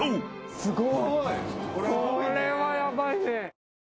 すごーい！